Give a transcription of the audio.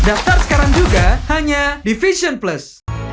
daftar sekarang juga hanya di fashion plus